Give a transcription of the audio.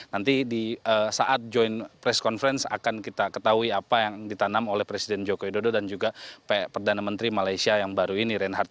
nanti di saat joint press conference akan kita ketahui apa yang ditanam oleh presiden joko widodo dan juga perdana menteri malaysia yang baru ini reinhardt